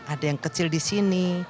ada yang kecil di sini